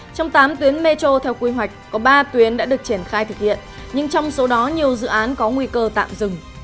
trong tám tuyến metro theo quy hoạch có ba tuyến đã được triển khai thực hiện nhưng trong số đó nhiều dự án có nguy cơ tạm dừng